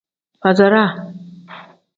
Faaziraa.